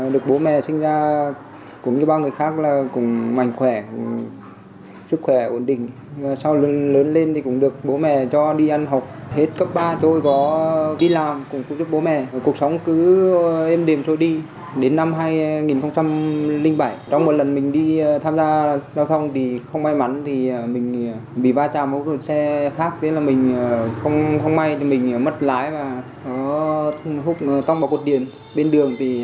đến năm hai nghìn bảy trong một lần mình đi tham gia giao thông thì không may mắn mình bị ba tràm hút xe khác mình không may mình mất lái và hút tông vào cột điện bên đường